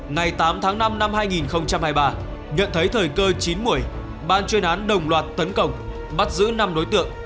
ngày tám tháng năm năm hai nghìn hai mươi ba nhận thấy thời cơ chín mùi ban chuyên án đồng loạt tấn công bắt giữ năm đối tượng